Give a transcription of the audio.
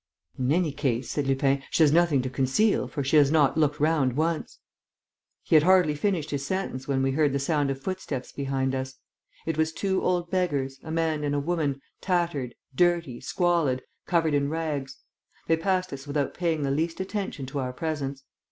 "In any case," said Lupin, "she has nothing to conceal, for she has not looked round once...." He had hardly finished his sentence when we heard the sound of footsteps behind us. It was two old beggars, a man and a woman, tattered, dirty, squalid, covered in rags. They passed us without paying the least attention to our presence.